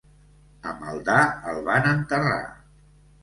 A Maldà el van enterrar.